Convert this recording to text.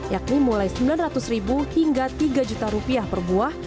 yakni mulai sembilan ratus ribu hingga tiga juta rupiah per buah